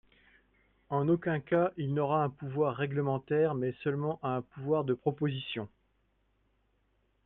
En aucun cas il n’aura un pouvoir réglementaire, mais seulement un pouvoir de proposition.